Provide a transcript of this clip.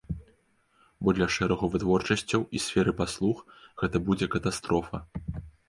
Бо для шэрагу вытворчасцяў і сферы паслуг гэта будзе катастрофа.